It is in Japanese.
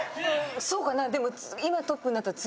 そうかな。